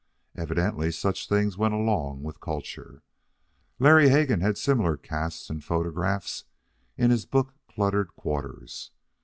Evidently such things went along with culture. Larry Hegan had similar casts and photographs in his book cluttered quarters.